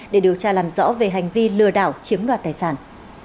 để điều tra làm rõ về hành vi lừa đảo chiếm đoạt tài sản